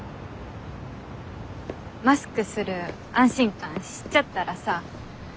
マスクする安心感知っちゃったらさ。